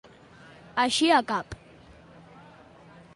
Eixir a cap.